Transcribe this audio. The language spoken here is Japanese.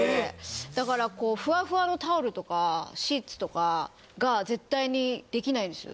だからふわふわのタオルとかシーツとかが絶対にできないんですよ。